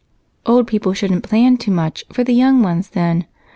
"Old people shouldn't plan too much for the young ones, then.